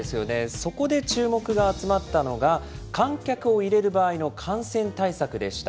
そこで注目が集まったのが、観客を入れる場合の感染対策でした。